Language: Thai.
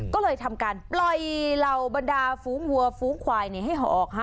ก็เลยทำการปล่อยเหล่าบรรดาฟู้งวัวฟู้งควายให้หอกค่ะ